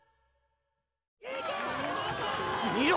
見ろ